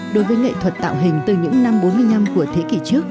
đối với nghệ thuật tạo hình từ những năm bốn mươi năm của thế kỷ trước